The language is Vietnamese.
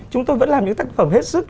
chúng tôi vẫn làm những tác phẩm hết sức